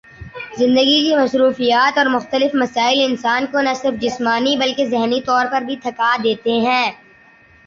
زندگی کی مصروفیات اور مختلف مسائل انسان کو نہ صرف جسمانی بلکہ ذہنی طور پر بھی تھکا دیتے ہیں